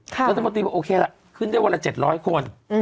รัฐมนตรีบอกโอเคละขึ้นได้วันละ๗๐๐คน